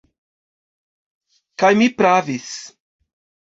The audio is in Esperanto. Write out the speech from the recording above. Kaj mi pravis.